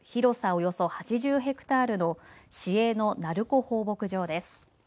およそ８０ヘクタールの市営の鳴子放牧場です。